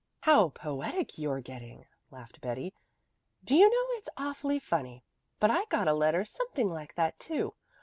"How poetic you're getting," laughed Betty. "Do you know it's awfully funny, but I got a letter something like that too.